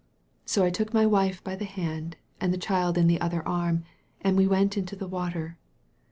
So I took my wife by the hand, and the child in the other arm, and we went into the water.